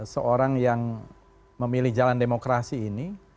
seorang yang memilih jalan demokrasi ini